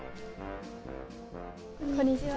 こんにちは。